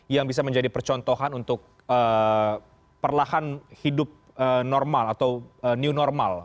yang bisa menjadi percontohan untuk perlahan hidup normal atau new normal